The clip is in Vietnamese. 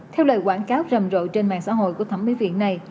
theo lời quảng cáo rầm rộ trên mạng xã hội của thẩm mỹ viện này